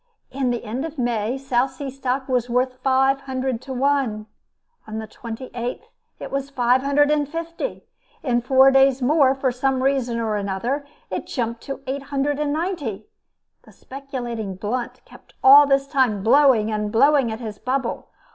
In the end of May, South Sea stock was worth five hundred to one. On the 28th, it was five hundred and fifty. In four days more, for some reason or other, it jumped up to eight hundred and ninety. The speculating Blunt kept all this time blowing and blowing at his bubble.